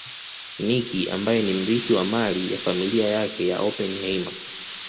Nicky ambaye ni mrithi wa mali ya familia yake ya Oppenheimer